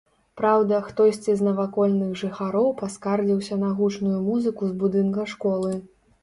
Праўда, хтосьці з навакольных жыхароў паскардзіўся на гучную музыку з будынка школы.